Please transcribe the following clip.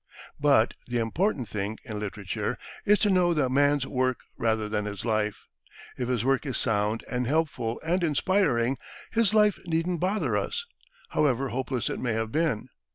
But the important thing in literature is to know the man's work rather than his life. If his work is sound and helpful and inspiring, his life needn't bother us, however hopeless it may have been.